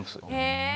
へえ！